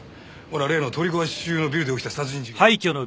ほら例の取り壊し中のビルで起きた殺人事件の。